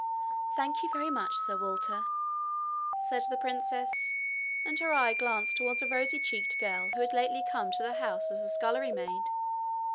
'Thank you very much, Sir Walter,' said the princess, and her eye glanced towards a rosy cheeked girl who had lately come to the house as a scullery maid.